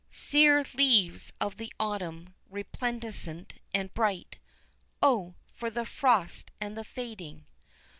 _ Sere leaves of the autumn, resplendent and bright, (Oh! for the frost and the fading.)